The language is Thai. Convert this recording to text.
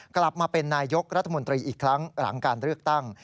กลับมาเป็นนายกรัฐมนตรีอีกครั้งหลังการเลือกตั้ง